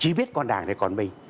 chỉ biết còn đảng thì còn mình